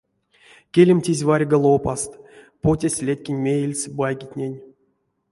Келемтизь варьга лопаст, потясть летькень меельце байгетнень.